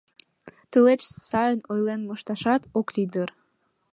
Тылеч сайын ойлен мошташат ок лий дыр.